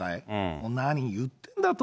もう何言ってるんだと。